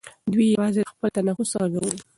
دی یوازې د خپل تنفس غږ اوري.